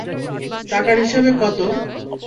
টাকার হিসেবে কতো?